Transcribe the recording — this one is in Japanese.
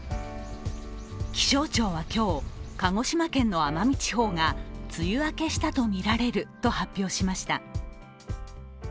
気象庁は今日、鹿児島県の奄美地方が梅雨明けしたとみられると発表しました。